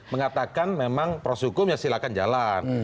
mengatakan memang proses hukum ya silahkan jalan